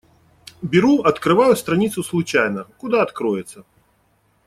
Беру, открываю страницу случайно — куда откроется.